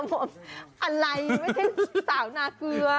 อะไรไม่ใช่สาวนาเกลือ